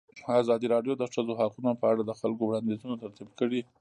ازادي راډیو د د ښځو حقونه په اړه د خلکو وړاندیزونه ترتیب کړي.